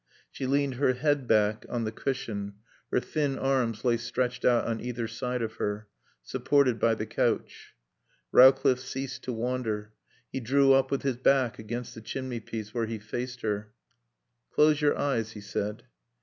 She leaned her head back on the cushion. Her thin arms lay stretched out on either side of her, supported by the couch. Rowcliffe ceased to wander. He drew up with his back against the chimney piece, where he faced her. "Close your eyes," he said.